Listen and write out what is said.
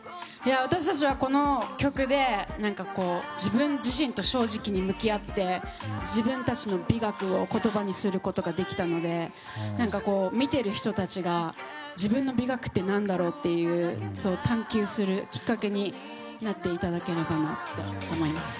私たちは、この曲で自分自身と正直に向き合って自分たちの美学を言葉にすることができたので見てる人たちが自分の美学って何だろうっていう探求するきっかけになっていただければなと思います。